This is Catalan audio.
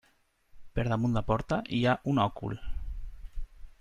Per damunt la porta hi ha un òcul.